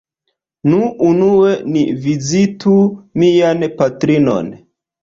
Nu, unue ni vizitu mian patrinon.